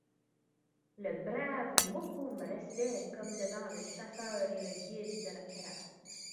Le brave Mokoum restait, comme devant, le chasseur et le guide de la caravane.